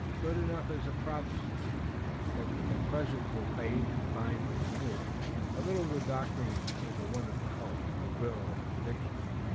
"Good enough as a prophecy, but for the present we'll bathe and bind it anew. A little good doctoring is a wonderful help to will and prediction."